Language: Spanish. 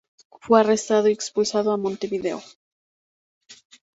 Fue arrestado y expulsado a Montevideo.